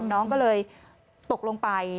น้องก็เลยตกลงไป